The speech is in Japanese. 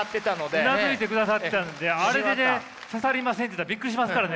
うなずいてくださってたのであれでね「刺さりません」って言ったらビックリしますからね。